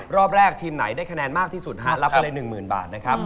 รอบแรกทีมไหนได้คะแนนมากที่สุดรับไปเลย๑๐๐๐บาทนะครับ